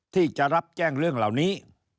ที่จะรับแจ้งเรื่องเหล่านี้